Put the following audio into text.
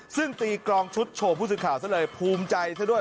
ซึ่งตีกรองชุดโชว์ผู้สื่อข่าวซะเลยภูมิใจซะด้วย